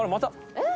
えっ？